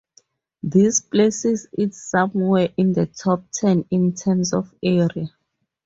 This places it somewhere in the top ten in terms of area.